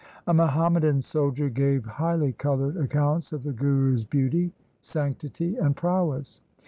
A Muhammadan soldier gave highly coloured accounts of the Guru's beauty, sanctity, and prowess.